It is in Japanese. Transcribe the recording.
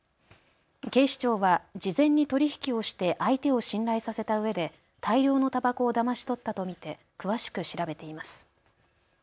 警視庁は事前に取り引きをして相手を信頼させたうえで大量のたばこをだまし取ったと見て詳しく調べています。